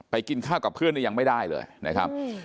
กินข้าวกับเพื่อนนี่ยังไม่ได้เลยนะครับ